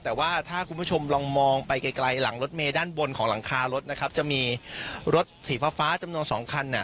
แต่ว่าถ้าคุณผู้ชมลองมองไปไกลไกลหลังรถเมย์ด้านบนของหลังคารถนะครับจะมีรถสีฟ้าฟ้าจำนวนสองคันเนี่ย